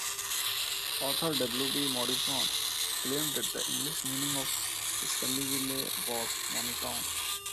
Author W. B. Morrison claimed that the English meaning of Skullyville was Moneytown.